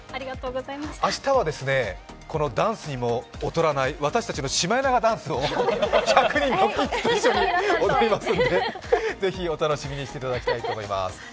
明日はこのダンスにも劣らない、私たちのシマエナガダンスを一緒に踊りますので是非お楽しみにしていただきたいと思います。